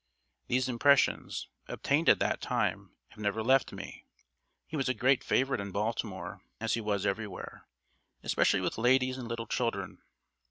These impressions, obtained at that time, have never left me. He was a great favourite in Baltimore, as he was everywhere, especially with ladies and little children.